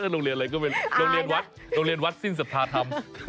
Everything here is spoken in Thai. โรงเรียนอะไรก็เป็นโรงเรียนวัดสิ้นศรัทธาธรรม